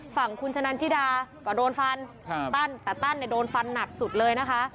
ฝั่งคุณชะนันชิดาก็โดนฟันตั้นแต่ตั้นเนี่ยโดนฟันหนักสุดเลยนะคะ